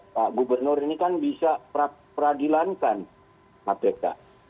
pak gubernur ini kan bisa peradilankan kpk